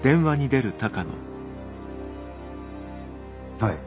はい。